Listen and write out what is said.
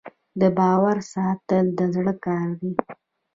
د باور ساتل د زړه کار دی.